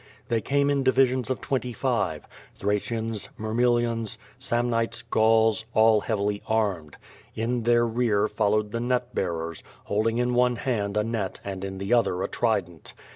They came in divisions of twenty five — Thracians, Mirmillons, Samnites, Gauls, all heavily armed. In their rear followed the net bearers, holding in one hand a net and in the other a trident.